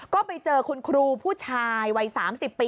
ก็ไปเจอคุณครูผู้ชายวัย๓๐ปี